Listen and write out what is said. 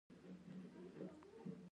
خداى دې اجرونه دركي.